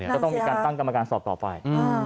ก็ต้องมีการตั้งกรรมการสอบต่อไป